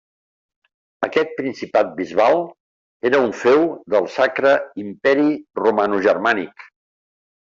Aquest principat bisbal era un feu del Sacre Imperi Romanogermànic.